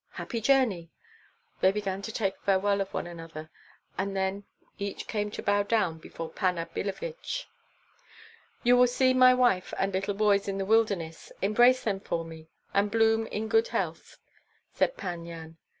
"Happy journey!" They began to take farewell of one another, and then each came to bow down before Panna Billevich. "You will see my wife and little boys in the wilderness: embrace them for me, and bloom in good health," said Pan Yan.